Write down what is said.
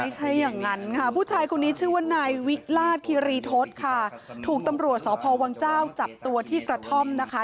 อย่างนั้นค่ะผู้ชายคนนี้ชื่อว่านายวิราชคิรีทศค่ะถูกตำรวจสพวังเจ้าจับตัวที่กระท่อมนะคะ